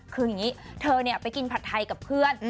คือหงี้เธอเนี่ยไปกินผัดไทยกับเพื่อน